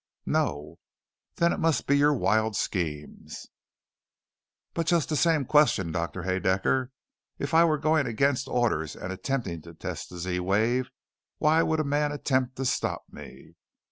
"No " "Then it must be your wild schemes." "But just the same question, Doctor Haedaecker; if I were going against orders and attempting to test the Z wave, why would a man attempt to stop me?"